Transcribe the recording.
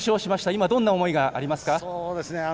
今、どんな思いがありますか。